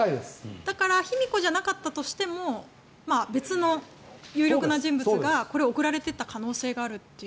だから卑弥呼じゃなかったとしても別の有力な人物がこれを贈られていた可能性があるという。